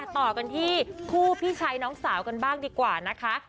ต่อกันที่คู่พี่ชายน้องสาวกันบ้างดีกว่านะคะ